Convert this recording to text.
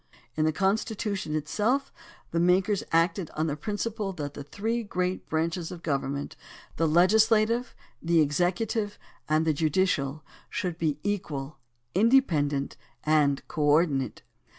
In the Constitution itself the makers acted on the principle that the three great branches of government — the legislative, the executive, and the judicial — should be equal, inde pendent, and co ordinate.